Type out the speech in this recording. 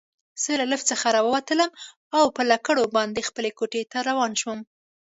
زه له لفټ څخه راووتلم او پر لکړو باندې خپلې کوټې ته روان شوم.